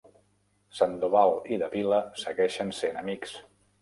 Sandoval i Davila segueixen sent amics.